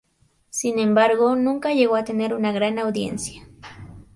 Sin embargo, nunca llegó a tener una gran audiencia.